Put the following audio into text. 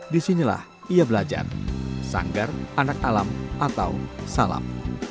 disinilah ia belajar sanggar anak alam atau salam